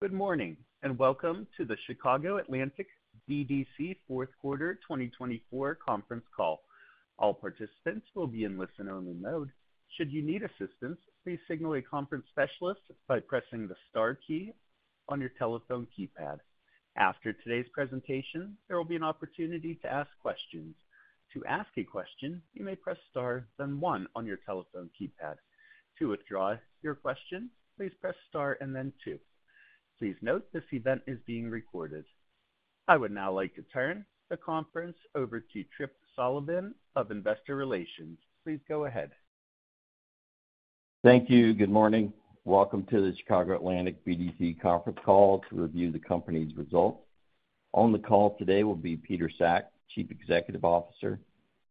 Good morning and welcome to the Chicago Atlantic BDC Fourth Quarter 2024 Conference Call. All participants will be in listen-only mode. Should you need assistance, please signal a conference specialist by pressing the star key on your telephone keypad. After today's presentation, there will be an opportunity to ask questions. To ask a question, you may press star, then one on your telephone keypad. To withdraw your question, please press star and then two. Please note this event is being recorded. I would now like to turn the conference over to Tripp Sullivan of Investor Relations. Please go ahead. Thank you. Good morning. Welcome to the Chicago Atlantic BDC conference call to review the company's results. On the call today will be Peter Sack, Chief Executive Officer;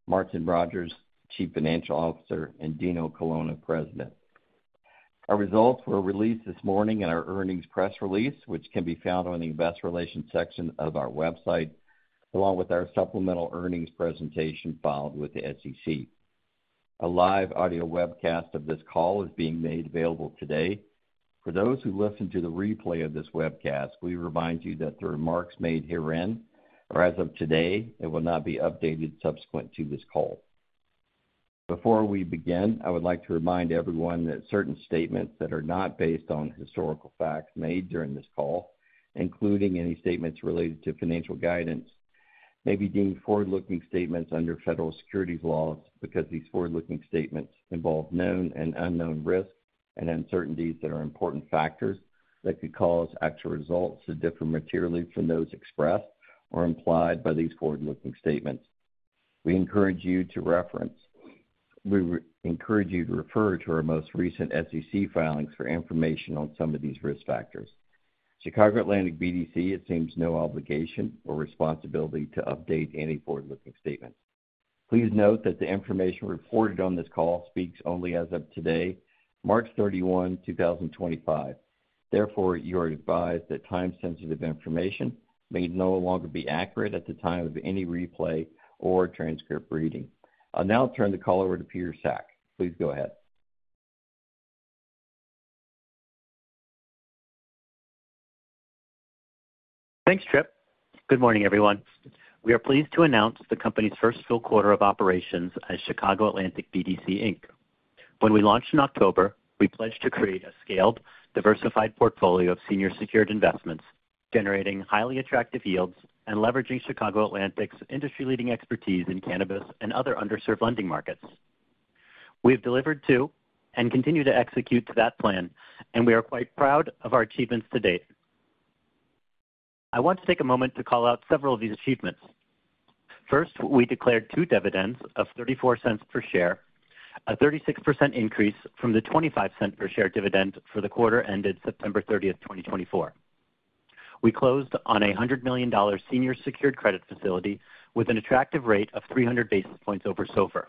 Martin Rodgers, Chief Financial Officer; and Dino Colonna, President. Our results were released this morning in our earnings press release, which can be found on the Investor Relations section of our website, along with our supplemental earnings presentation filed with the SEC. A live audio webcast of this call is being made available today. For those who listen to the replay of this webcast, we remind you that the remarks made herein are, as of today, and will not be updated subsequent to this call. Before we begin, I would like to remind everyone that certain statements that are not based on historical facts made during this call, including any statements related to financial guidance, may be deemed forward-looking statements under federal securities laws because these forward-looking statements involve known and unknown risks and uncertainties that are important factors that could cause actual results to differ materially from those expressed or implied by these forward-looking statements. We encourage you to refer to our most recent SEC filings for information on some of these risk factors. Chicago Atlantic BDC assumes no obligation or responsibility to update any forward-looking statements. Please note that the information reported on this call speaks only as of today, March 31, 2025. Therefore, you are advised that time-sensitive information may no longer be accurate at the time of any replay or transcript reading. I'll now turn the call over to Peter Sack. Please go ahead. Thanks, Tripp. Good morning, everyone. We are pleased to announce the company's first full quarter of operations as Chicago Atlantic BDC, Inc. When we launched in October, we pledged to create a scaled, diversified portfolio of senior secured investments, generating highly attractive yields and leveraging Chicago Atlantic's industry-leading expertise in cannabis and other underserved lending markets. We have delivered to and continue to execute that plan, and we are quite proud of our achievements to date. I want to take a moment to call out several of these achievements. First, we declared two dividends of $0.34 per share, a 36% increase from the $0.25 per share dividend for the quarter ended September 30th, 2024. We closed on a $100 million senior secured credit facility with an attractive rate of 300 basis points over SOFR.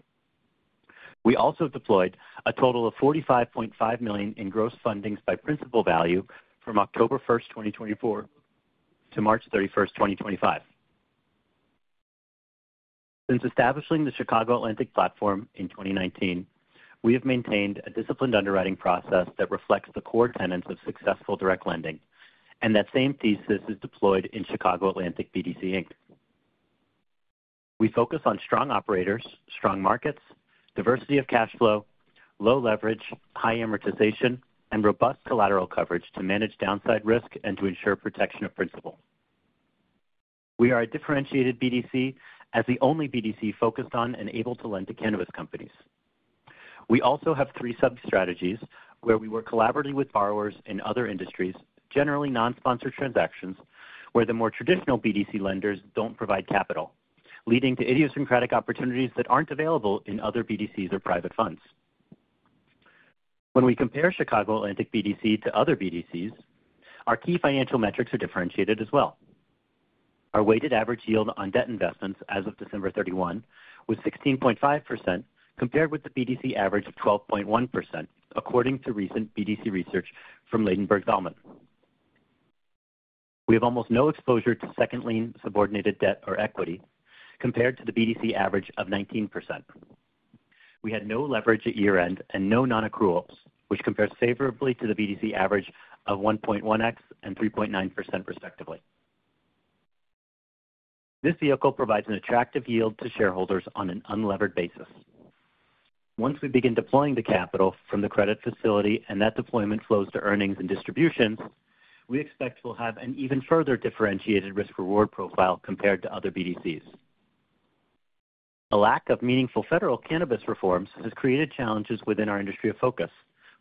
We also deployed a total of $45.5 million in gross fundings by principal value from October 1st, 2024 to March 31st, 2025. Since establishing the Chicago Atlantic platform in 2019, we have maintained a disciplined underwriting process that reflects the core tenets of successful direct lending, and that same thesis is deployed in Chicago Atlantic BDC, Inc. We focus on strong operators, strong markets, diversity of cash flow, low leverage, high amortization, and robust collateral coverage to manage downside risk and to ensure protection of principal. We are a differentiated BDC as the only BDC focused on and able to lend to cannabis companies. We also have three sub-strategies where we work collaboratively with borrowers in other industries, generally non-sponsored transactions, where the more traditional BDC lenders do not provide capital, leading to idiosyncratic opportunities that are not available in other BDCs or private funds. When we compare Chicago Atlantic BDC to other BDCs, our key financial metrics are differentiated as well. Our weighted average yield on debt investments as of December 31 was 16.5% compared with the BDC average of 12.1%, according to recent BDC research from Ladenburg Thalmann. We have almost no exposure to second-lien subordinated debt or equity compared to the BDC average of 19%. We had no leverage at year-end and no non-accruals, which compares favorably to the BDC average of 1.1x and 3.9%, respectively. This vehicle provides an attractive yield to shareholders on an unlevered basis. Once we begin deploying the capital from the credit facility and that deployment flows to earnings and distributions, we expect we'll have an even further differentiated risk-reward profile compared to other BDCs. A lack of meaningful federal cannabis reforms has created challenges within our industry of focus,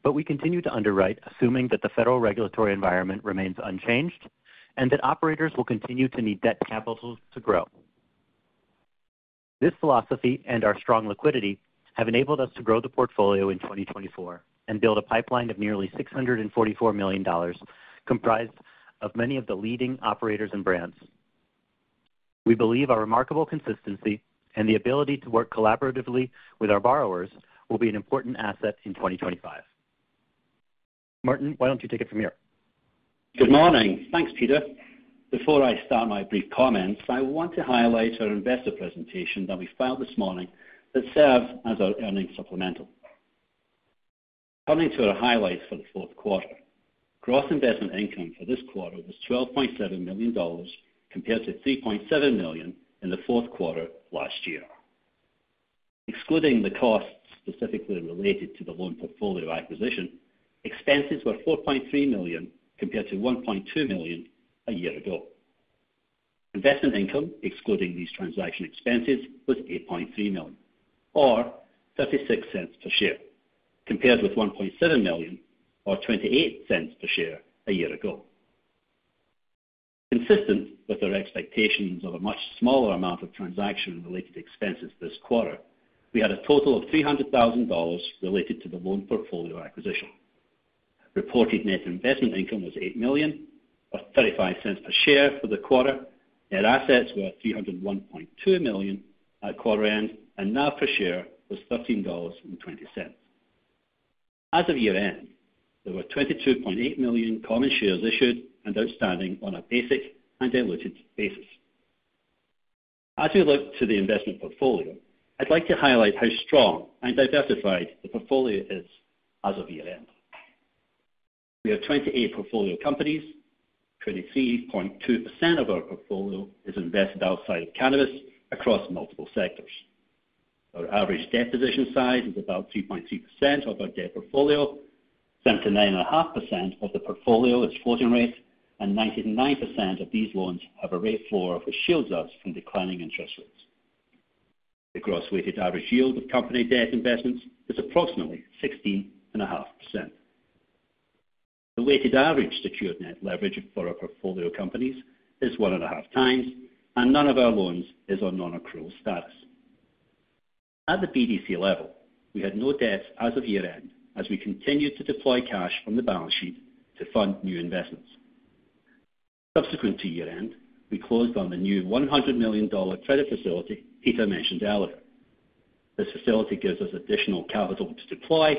but we continue to underwrite, assuming that the federal regulatory environment remains unchanged and that operators will continue to need debt capital to grow. This philosophy and our strong liquidity have enabled us to grow the portfolio in 2024 and build a pipeline of nearly $644 million, comprised of many of the leading operators and brands. We believe our remarkable consistency and the ability to work collaboratively with our borrowers will be an important asset in 2025. Martin, why don't you take it from here? Good morning. Thanks, Peter. Before I start my brief comments, I want to highlight our investor presentation that we filed this morning that serves as our earnings supplemental. Coming to our highlights for the fourth quarter, gross investment income for this quarter was $12.7 million compared to $3.7 million in the fourth quarter last year. Excluding the costs specifically related to the loan portfolio acquisition, expenses were $4.3 million compared to $1.2 million a year ago. Investment income, excluding these transaction expenses, was $8.3 million, or $0.36 per share, compared with $1.7 million, or $0.28 per share, a year ago. Consistent with our expectations of a much smaller amount of transaction-related expenses this quarter, we had a total of $300,000 related to the loan portfolio acquisition. Reported net investment income was $8 million, or $0.35 per share for the quarter. Net assets were $301.2 million at quarter-end, and NAV per share was $13.20. As of year-end, there were 22.8 million common shares issued and outstanding on a basic and diluted basis. As we look to the investment portfolio, I'd like to highlight how strong and diversified the portfolio is as of year-end. We have 28 portfolio companies, 23.2% of our portfolio is invested outside of cannabis across multiple sectors. Our average debt position size is about 3.3% of our debt portfolio, 79.5% of the portfolio is floating rate, and 99% of these loans have a rate floor which shields us from declining interest rates. The gross weighted average yield of company debt investments is approximately 16.5%. The weighted average secured net leverage for our portfolio companies is 1.5x, and none of our loans is on non-accrual status. At the BDC level, we had no debts as of year-end as we continued to deploy cash from the balance sheet to fund new investments. Subsequent to year-end, we closed on the new $100 million credit facility Peter mentioned earlier. This facility gives us additional capital to deploy,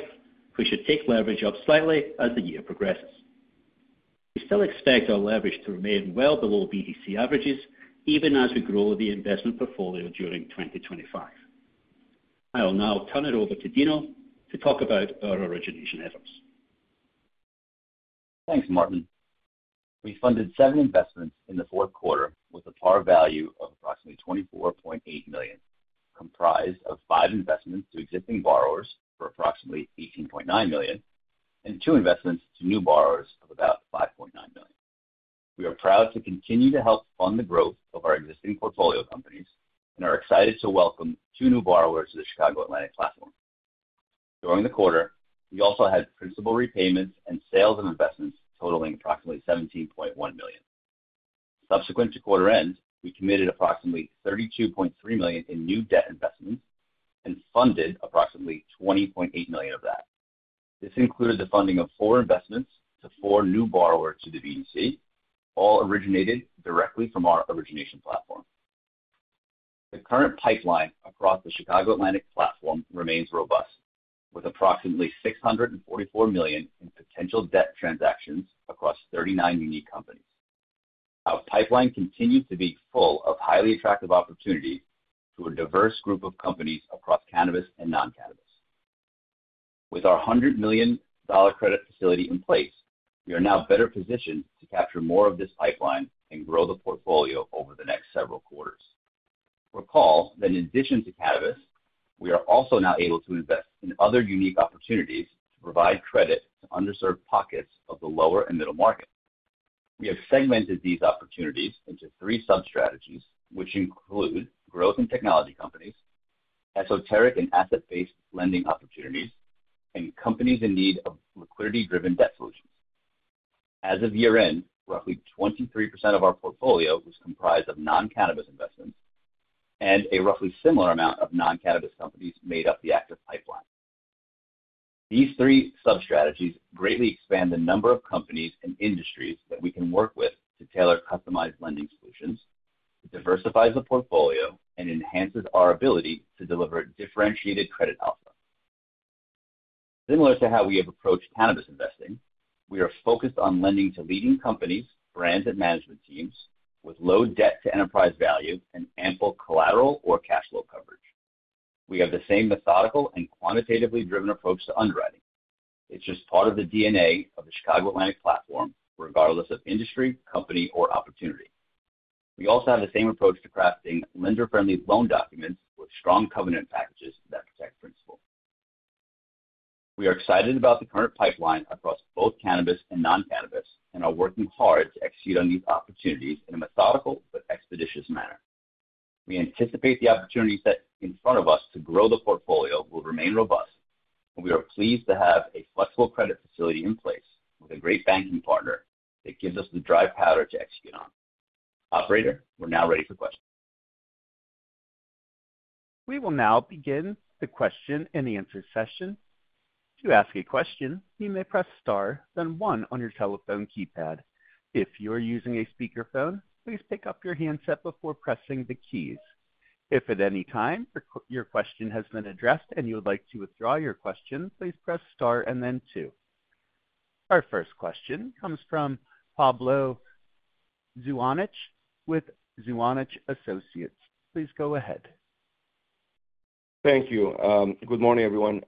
which should take leverage up slightly as the year progresses. We still expect our leverage to remain well below BDC averages even as we grow the investment portfolio during 2025. I'll now turn it over to Dino to talk about our origination efforts. Thanks, Martin. We funded seven investments in the fourth quarter with a par value of approximately $24.8 million, comprised of five investments to existing borrowers for approximately $18.9 million and two investments to new borrowers of about $5.9 million. We are proud to continue to help fund the growth of our existing portfolio companies and are excited to welcome two new borrowers to the Chicago Atlantic platform. During the quarter, we also had principal repayments and sales of investments totaling approximately $17.1 million. Subsequent to quarter-end, we committed approximately $32.3 million in new debt investments and funded approximately $20.8 million of that. This included the funding of four investments to four new borrowers to the BDC, all originated directly from our origination platform. The current pipeline across the Chicago Atlantic platform remains robust, with approximately $644 million in potential debt transactions across 39 unique companies. Our pipeline continues to be full of highly attractive opportunities to a diverse group of companies across cannabis and non-cannabis. With our $100 million credit facility in place, we are now better positioned to capture more of this pipeline and grow the portfolio over the next several quarters. Recall that in addition to cannabis, we are also now able to invest in other unique opportunities to provide credit to underserved pockets of the lower and middle market. We have segmented these opportunities into three sub-strategies, which include growth and technology companies, esoteric and asset-based lending opportunities, and companies in need of liquidity-driven debt solutions. As of year-end, roughly 23% of our portfolio was comprised of non-cannabis investments, and a roughly similar amount of non-cannabis companies made up the active pipeline. These three sub-strategies greatly expand the number of companies and industries that we can work with to tailor customized lending solutions, diversify the portfolio, and enhance our ability to deliver differentiated credit outcomes. Similar to how we have approached cannabis investing, we are focused on lending to leading companies, brands, and management teams with low debt-to-enterprise value and ample collateral or cash flow coverage. We have the same methodical and quantitatively driven approach to underwriting. It's just part of the DNA of the Chicago Atlantic platform, regardless of industry, company, or opportunity. We also have the same approach to crafting lender-friendly loan documents with strong covenant packages that protect principal. We are excited about the current pipeline across both cannabis and non-cannabis and are working hard to execute on these opportunities in a methodical but expeditious manner. We anticipate the opportunities set in front of us to grow the portfolio will remain robust, and we are pleased to have a flexible credit facility in place with a great banking partner that gives us the dry powder to execute on. Operator, we're now ready for questions. We will now begin the question-and-answer session. To ask a question, you may press star, then one on your telephone keypad. If you are using a speakerphone, please pick up your handset before pressing the keys. If at any time your question has been addressed and you would like to withdraw your question, please press star and then two. Our first question comes from Pablo Zuanic with Zuanic & Associates. Please go ahead. Thank you. Good morning, everyone.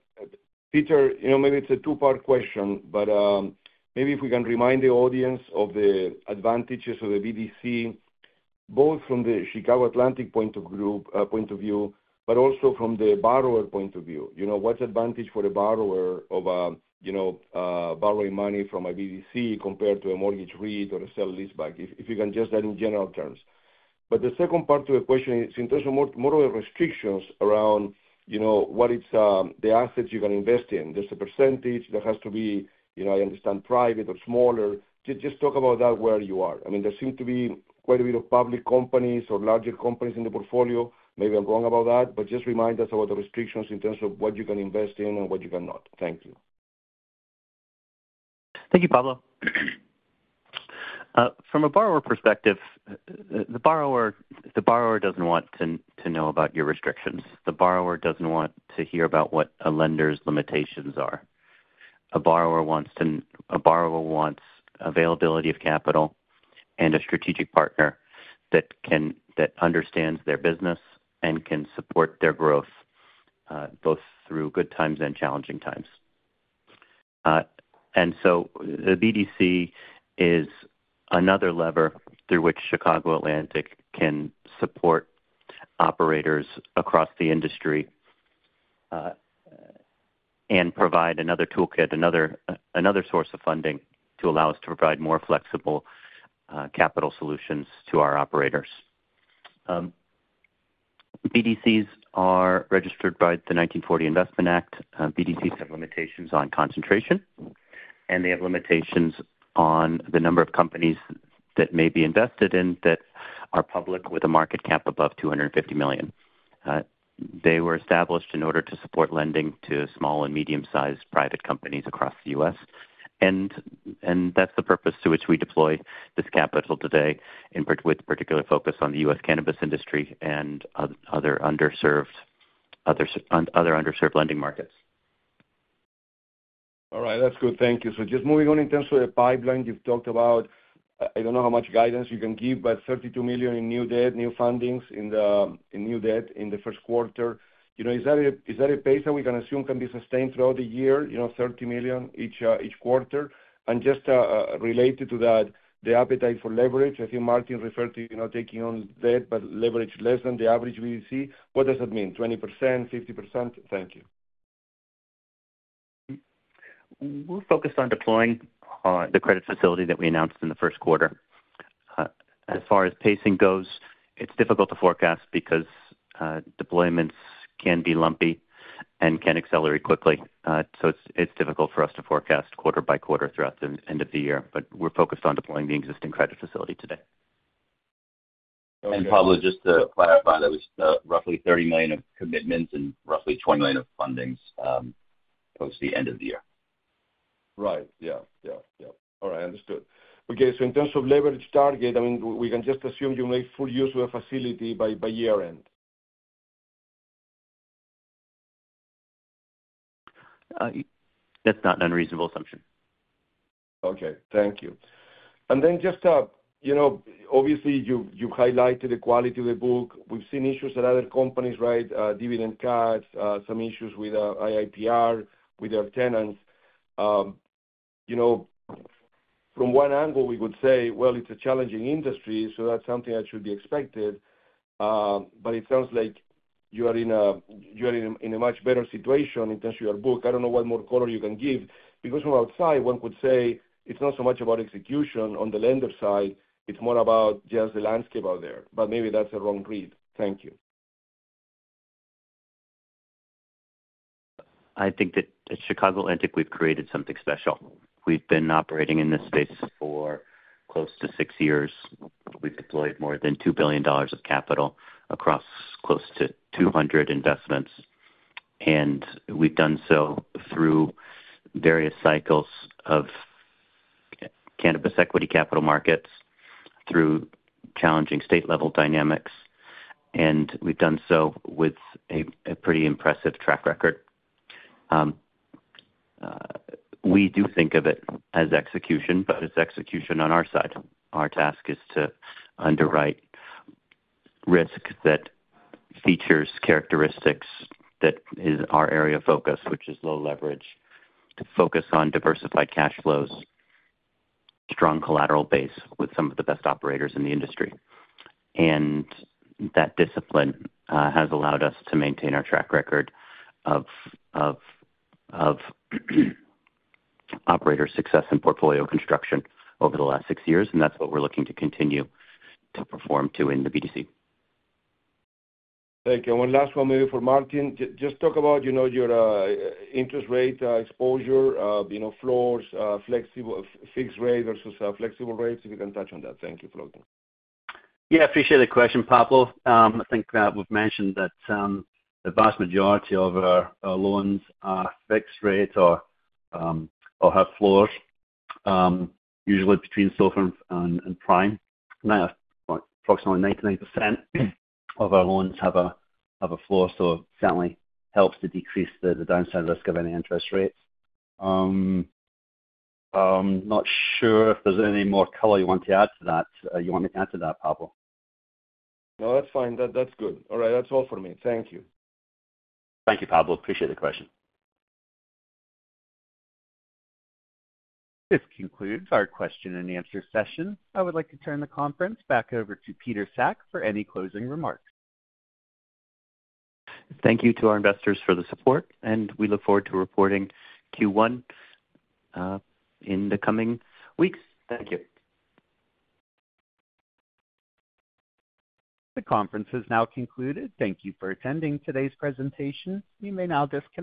Peter, you know, maybe it's a two-part question, but maybe if we can remind the audience of the advantages of the BDC, both from the Chicago Atlantic point of view, but also from the borrower point of view. You know, what's the advantage for a borrower of borrowing money from a BDC compared to a mortgage REIT or a sale-leaseback, if you can just add in general terms? The second part to the question is in terms of more of the restrictions around what are the assets you can invest in. There's a percentage that has to be, I understand, private or smaller. Just talk about that where you are. I mean, there seem to be quite a bit of public companies or larger companies in the portfolio. Maybe I'm wrong about that, but just remind us about the restrictions in terms of what you can invest in and what you cannot. Thank you. Thank you, Pablo. From a borrower perspective, the borrower doesn't want to know about your restrictions. The borrower doesn't want to hear about what a lender's limitations are. A borrower wants availability of capital and a strategic partner that understands their business and can support their growth both through good times and challenging times. And so the BDC is another lever through which Chicago Atlantic can support operators across the industry and provide another toolkit, another source of funding to allow us to provide more flexible capital solutions to our operators. BDCs are registered by the 1940 Investment Act. BDCs have limitations on concentration, and they have limitations on the number of companies that may be invested in that are public with a market cap above $250 million. They were established in order to support lending to small and medium-sized private companies across the U.S., and that's the purpose to which we deploy this capital today with particular focus on the U.S. cannabis industry and other underserved lending markets. All right. That's good. Thank you. Just moving on in terms of the pipeline you've talked about, I don't know how much guidance you can give, but $32 million in new debt, new fundings in new debt in the first quarter. Is that a pace that we can assume can be sustained throughout the year, $30 million each quarter? Just related to that, the appetite for leverage, I think Martin referred to taking on debt, but leverage less than the average BDC. What does that mean? 20%, 50%? Thank you. We're focused on deploying the credit facility that we announced in the first quarter. As far as pacing goes, it's difficult to forecast because deployments can be lumpy and can accelerate quickly. It's difficult for us to forecast quarter by quarter throughout the end of the year, but we're focused on deploying the existing credit facility today. Pablo, just to clarify, that was roughly $30 million of commitments and roughly $20 million of fundings post the end of the year. Right. Yeah, yeah, yeah. All right. Understood. Okay. In terms of leverage target, I mean, we can just assume you make full use of the facility by year-end? That's not an unreasonable assumption. Okay. Thank you. Obviously, you've highlighted the quality of the book. We've seen issues at other companies, right? Dividend cuts, some issues with IIPR with their tenants. From one angle, we would say, well, it's a challenging industry, so that's something that should be expected. It sounds like you are in a much better situation in terms of your book. I don't know what more color you can give. Because from outside, one could say it's not so much about execution on the lender side. It's more about just the landscape out there. Maybe that's a wrong read. Thank you. I think that at Chicago Atlantic, we've created something special. We've been operating in this space for close to six years. We've deployed more than $2 billion of capital across close to 200 investments. We've done so through various cycles of cannabis equity capital markets, through challenging state-level dynamics, and we've done so with a pretty impressive track record. We do think of it as execution, but it's execution on our side. Our task is to underwrite risk that features characteristics that is our area of focus, which is low leverage, to focus on diversified cash flows, strong collateral base with some of the best operators in the industry. That discipline has allowed us to maintain our track record of operator success and portfolio construction over the last six years, and that's what we're looking to continue to perform to in the BDC. Thank you. One last one maybe for Martin. Just talk about your interest rate exposure, floors, fixed rate versus flexible rates, if you can touch on that. Thank you for looking. Yeah. I appreciate the question, Pablo. I think we've mentioned that the vast majority of our loans are fixed rates or have floors, usually between SOFR and prime. Now, approximately 99% of our loans have a floor, so it certainly helps to decrease the downside risk of any interest rates. I'm not sure if there's any more color you want to add to that. You want me to answer that, Pablo? No, that's fine. That's good. All right. That's all for me. Thank you. Thank you, Pablo. Appreciate the question. This concludes our question-and-answer session. I would like to turn the conference back over to Peter Sack for any closing remarks. Thank you to our investors for the support, and we look forward to reporting Q1 in the coming weeks. Thank you. The conference has now concluded. Thank you for attending today's presentation. You may now disconnect.